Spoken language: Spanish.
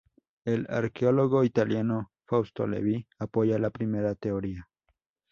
El arqueólogo italiano Fausto Levi apoya la primera teoría.